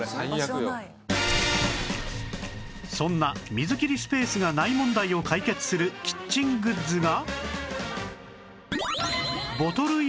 そんな水切りスペースがない問題を解決するキッチングッズが